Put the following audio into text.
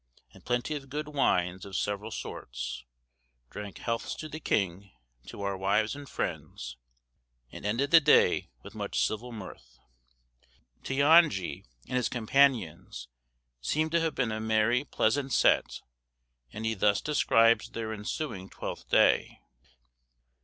and plenty of good wines of severall sorts; dranke healths to the king, to our wives and friends, and ended the day with much civill myrth." Teonge and his companions seem to have been a merry, pleasant set, and he thus describes their ensuing Twelfth Day.